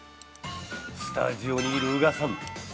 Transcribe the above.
スタジオにいる宇賀さん。